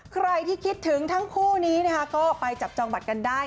ใครที่คิดถึงทั้งคู่นี้นะคะก็ไปจับจองบัตรกันได้